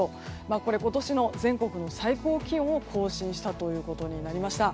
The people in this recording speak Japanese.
これは今年の全国の最高気温を更新したことになりました。